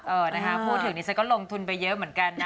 เออนะคะพูดถึงนี่ฉันก็ลงทุนไปเยอะเหมือนกันนะ